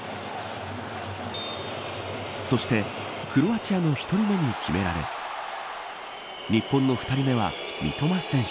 そしてクロアチアの１人目に決められ日本の２人目は、三笘選手。